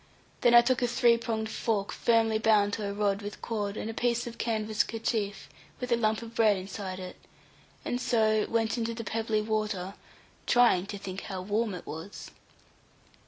Then I took a three pronged fork firmly bound to a rod with cord, and a piece of canvas kerchief, with a lump of bread inside it; and so went into the pebbly water, trying to think how warm it was.